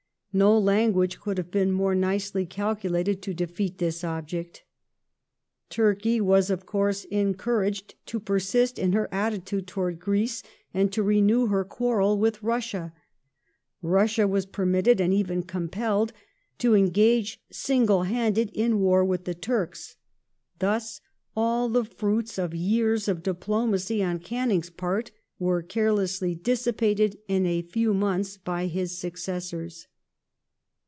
No language could have been more nicely calculated to defeat this object. Turkey was, of course, encouraged to persist in her attitude towards Greece, and to renew her quarrel with Russia. Russia was per mitted, and even compelled, to engage single handed in war with the Turks. Thus all the fruits of years of diplomacy on Canning's pai't were carelessly dissipated in a few months by his successors.